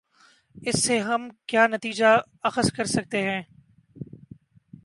اس سے ہم کیا نتیجہ اخذ کر سکتے ہیں۔